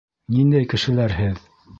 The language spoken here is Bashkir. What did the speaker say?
Ниндәй кешеләр һеҙ?